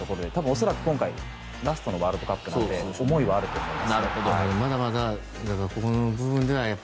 恐らく今回がラストのワールドカップだと思うので思いはあると思います。